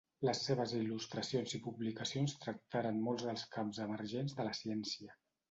Les seves il·lustracions i publicacions tractaren molts dels camps emergents de la ciència.